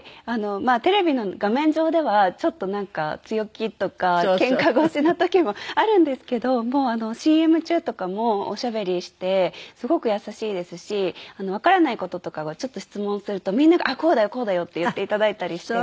まあテレビの画面上ではちょっとなんか強気とかけんか腰な時もあるんですけどＣＭ中とかもおしゃべりしてすごく優しいですしわからない事とかはちょっと質問するとみんなが「あっこうだよこうだよ」って言っていただいたりして。